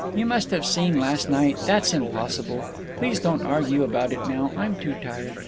You must have seen last night; that's impossible. Please don't argue about it now; I'm too tired.